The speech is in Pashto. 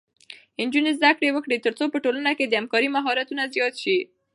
نجونې زده کړه وکړي ترڅو په ټولنه کې د همکارۍ مهارتونه زیات شي.